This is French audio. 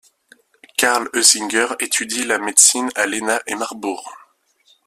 Karl Heusinger étudie la médecine à Iéna et Marbourg.